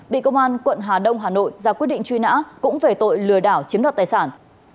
bị công an quận hà đông hà nội ra quyết định truy nã cũng về tội lừa đảo chiếm đoạt tài sản